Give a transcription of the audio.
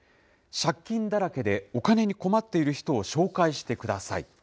借金だらけでお金に困っている人を紹介してください。